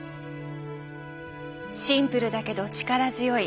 シンプルだけど力強い。